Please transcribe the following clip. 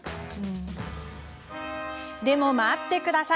でも、待ってください。